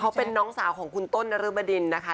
เขาเป็นน้องสาวของคุณต้นนรบดินนะคะ